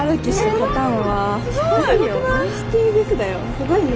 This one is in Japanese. すごいね。